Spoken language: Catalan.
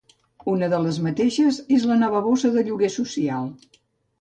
Una de les mateixes és la nova bossa de lloguer social.